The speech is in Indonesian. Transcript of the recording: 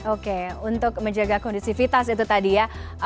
oke untuk menjaga kondisivitas itu tadi ya